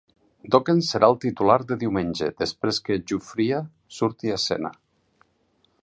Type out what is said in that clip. Dokken serà el titular de diumenge, després que Giuffria surti a escena.